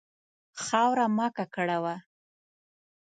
خاوره مه ککړوه.